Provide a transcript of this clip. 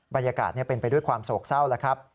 บรรยากาศเป็นไปด้วยความโศกเศร้าแล้วครับ